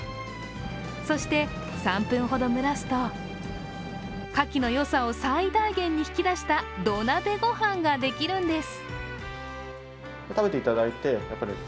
そして３分ほど蒸らすとかきの良さを最大限に引き出した土鍋ご飯ができるんです。